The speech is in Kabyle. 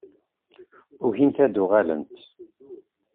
Ugint ad d-uɣalent.